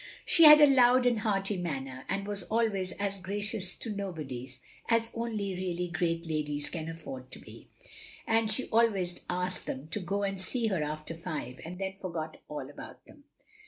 She had a loud and hearty manner, and was always as gracious to nobodies as only really great ladies can afford to be ; and she always asked them to go and see her after five, and then forgot all about them.